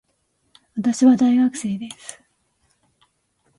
私は大学生です。